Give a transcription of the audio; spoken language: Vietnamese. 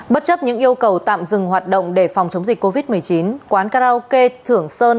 bất chấp những yêu cầu tạm dừng hoạt động để phòng chống dịch covid một mươi chín quán karaoke thưởng sơn